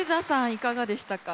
いかがでしたか？